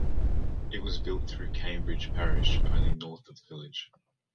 It was built through Curbridge parish only north of the village.